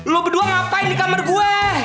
lo berdua ngapain di kamar gue